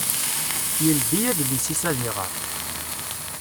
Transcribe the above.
Yeldi adlis-is ad iɣer.